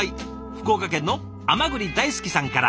福岡県の甘栗大好きさんから。